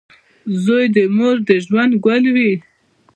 • زوی د مور د ژوند ګل وي.